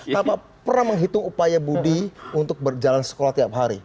tanpa pernah menghitung upaya budi untuk berjalan sekolah tiap hari